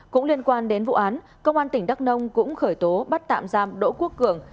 cũng liên quan đến vụ án công an tỉnh đắk nông cũng khởi tố bắt tạm giam đỗ quốc cường